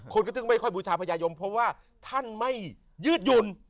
คนก็ถึงไม่ค่อยบูชาพญายมเพราะว่าท่านไม่ยืดหยุ่น